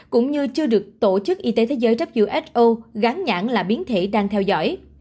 cũng như chưa được tổ chức y tế thế giới who gán nhãn là biến thể đang theo dõi